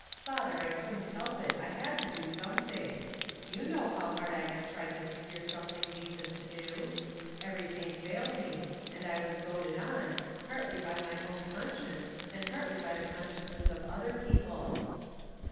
Father, I couldn't help it. I had to do something. Ton know how hard I have tried to secure something decent to do. Everything failed me, and I was goaded on, partly by my own conscience and partly by the consciences of other people."